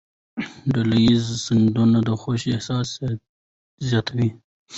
ډلهییزې سندرې د خوښۍ احساس زیاتوي.